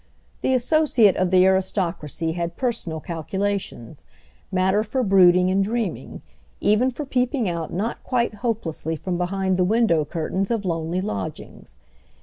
The associate of the aristocracy had personal calculations—matter for brooding and dreaming, even for peeping out not quite hopelessly from behind the window curtains of lonely lodgings.